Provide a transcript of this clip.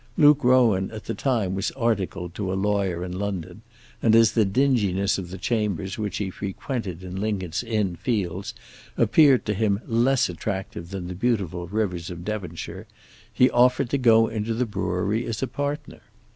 Luke Rowan at the time was articled to a lawyer in London, and as the dinginess of the chambers which he frequented in Lincoln's Inn Fields appeared to him less attractive than the beautiful rivers of Devonshire, he offered to go into the brewery as a partner.